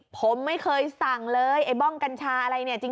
ผมไม่เคยสั่งเลยไอ้บ้องกัญชาอะไรเนี่ย